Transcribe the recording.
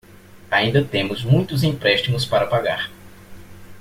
Ainda temos muitos empréstimos para pagar.